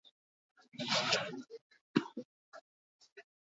Bigarren txandan, ordea, talde bakoitzeko mutilak arituko dira norgehiagoka.